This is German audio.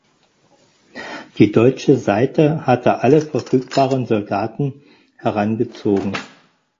Die deutsche Seite hatte alle verfügbaren Soldaten herangezogen.